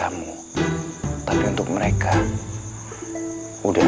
ah takut sekali